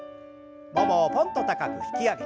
ももをぽんと高く引き上げて。